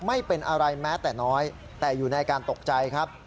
ไม่เป็นอะไรแม้แต่น้อยแต่อยู่ในการตกใจครับ